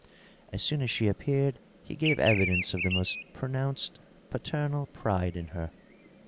As soon as she appeared he gave evidence of the most pronounced paternal pride in her.